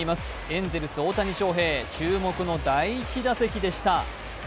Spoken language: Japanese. エンゼルス・大谷翔平、注目の第１打席でした。